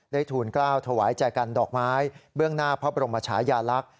ทูลกล้าวถวายแจกันดอกไม้เบื้องหน้าพระบรมชายาลักษณ์